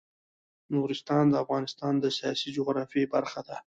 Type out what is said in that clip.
نورستان د افغانستان د سیاسي جغرافیه برخه ده.